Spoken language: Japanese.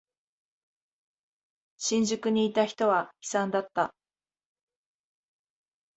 新宿にいた人は悲惨だった。